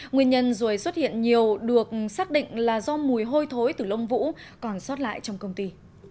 nguyên nhân ruồi xuất hiện nhiều được xác định là do mùi hôi thối từ lông vũ còn xót lại trong công ty